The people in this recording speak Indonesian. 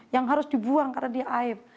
yang harus dibuang karena dia aib